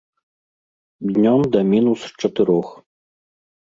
Днём да мінус чатырох.